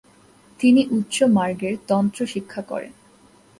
তিনি উচ্চমার্গের তন্ত্র শিক্ষা করেন।